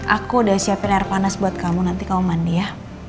aku udah siapin air panas buat kamu nanti kamu mandi ya